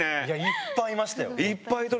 いっぱいいましたよ。